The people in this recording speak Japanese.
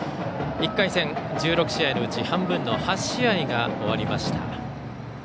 １回戦、１６試合のうち半分の８試合が終わりました。